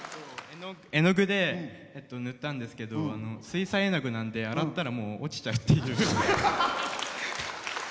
絵の具で塗ったんですけど水彩絵の具なんで洗ったら落ちちゃうっていう。